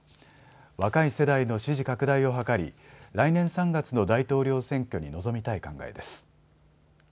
若い世代の支持拡大を図り来年３月の大統領選挙に臨みたい考えです。